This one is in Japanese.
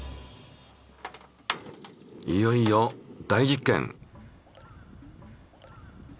いよいよ大実験！